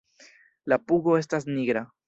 La pugo estas nigra.